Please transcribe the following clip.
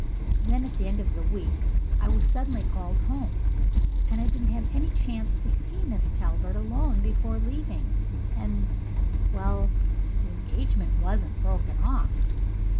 Then at the end of the week I was suddenly called home, and I didn't have any chance to see Miss Talbert alone before leaving, and well, the engagement wasn't broken off.